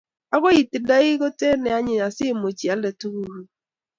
Agoi iting'doi kote ne anyiny asimuch ialde tuguk kuk